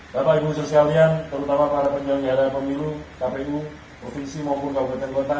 bapak ibu sekalian terutama para penyelenggara pemilu kpu provinsi maupun kabupaten kota